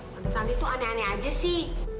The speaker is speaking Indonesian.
tentu tapi tuh aneh aneh aja sih